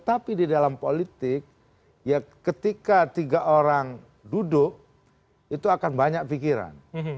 tapi di dalam politik ya ketika tiga orang duduk itu akan banyak pikiran